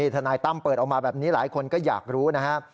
ทนายตั้มเปิดออกมาแบบนี้หลายคนก็อยากรู้นะครับ